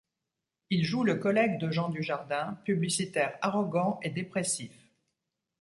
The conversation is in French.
Il joue le collègue de Jean Dujardin, publicitaire arrogant et dépressif.